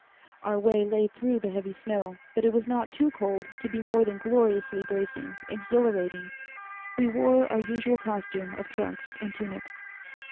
Our way lay through the heavy snow, but it was not too cold to be more than gloriously bracing, exhilarating. We wore our usual costume of trunks and tunic.